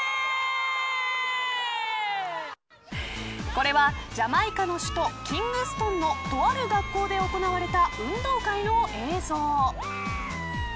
これはジャマイカの首都キングストンのとある学校で行われた運動会の映像。